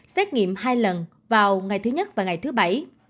xét nghiệm hai lần vào ngày thứ nhất và ngày thứ bảy